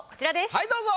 はいどうぞ。